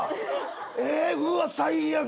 えっうわ最悪。